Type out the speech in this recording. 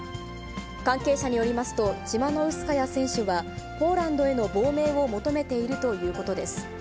関係者によりますと、チマノウスカヤ選手は、ポーランドへの亡命を求めているということです。